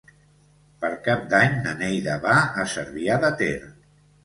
Per Cap d'Any na Neida va a Cervià de Ter.